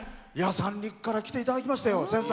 三陸から来ていただきましたよ。